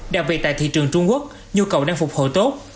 đặc biệt tại thị trường trung quốc nhu cầu đang phục hồi tốt